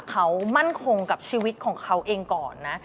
เขามั่นคงกับชีวิตของเขาเองก่อนนะ